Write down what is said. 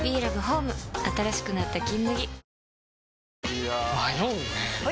いや迷うねはい！